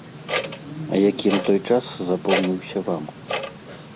А якім той час запомніўся вам?